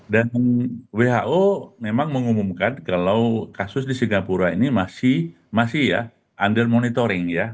dan who memang mengumumkan kalau kasus di singapura ini masih under monitoring ya